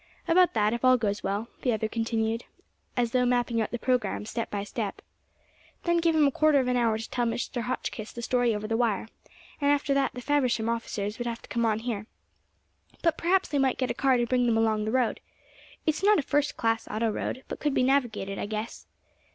"About that, if all goes well," the other continued, as though mapping out the programme, step by step. "Then give him a quarter of an hour to tell Mr. Hotchkiss the story over the wire; and after that the Faversham officers would have to come on here. But perhaps they might get a car to bring them along the road. It's not a first class auto road, but could be navigated I guess.